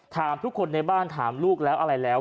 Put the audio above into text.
ถามทุกคนในบ้านถามลูกแล้วอะไรแล้ว